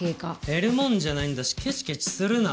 減るもんじゃないんだしケチケチするな。